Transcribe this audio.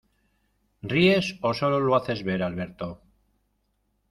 ¿Ríes o sólo lo haces ver, Alberto?